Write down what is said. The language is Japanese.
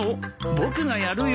僕がやるよ。